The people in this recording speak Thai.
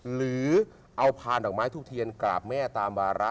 หรือเอาพานดอกไม้ทูบเทียนกราบแม่ตามวาระ